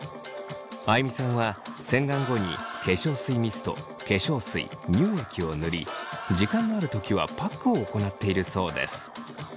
あいみさんは洗顔後に化粧水ミスト化粧水乳液を塗り時間のある時はパックを行っているそうです。